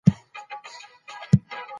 زموږ رول د ښه او باکیفیته زعفرانو تولید دی.